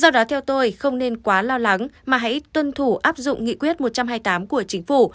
do đó theo tôi không nên quá lo lắng mà hãy tuân thủ áp dụng nghị quyết một trăm hai mươi tám của chính phủ